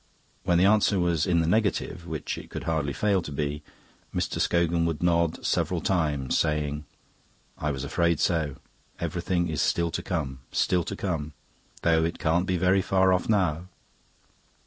When the answer was in the negative, which it could hardly fail to be, Mr. Scogan would nod several times, saying, "I was afraid so. Everything is still to come, still to come, though it can't be very far off now."